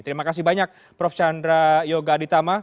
terima kasih banyak prof chandra yoga aditama